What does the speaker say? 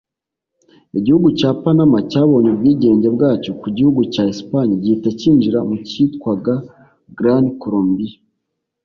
Igihugu cya Panama cyabonye ubwigenge bwacyo ku gihugu cya Espagne gihita cyinjira mu cyitwwaga Gran Colombia